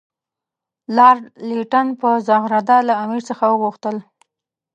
لارډ لیټن په زغرده له امیر څخه وغوښتل.